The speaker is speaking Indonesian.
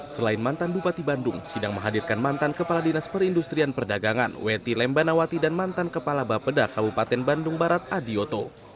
selain mantan bupati bandung sidang menghadirkan mantan kepala dinas perindustrian perdagangan weti lembanawati dan mantan kepala bapeda kabupaten bandung barat adioto